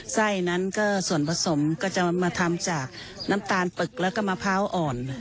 ไส้นั้นก็ส่วนผสมก็จะมาทำจากน้ำตาลปึกแล้วก็มะพร้าวอ่อน